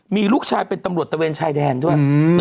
มีลูกชายเป็นตำรวจตะเวนชายแดนด้วย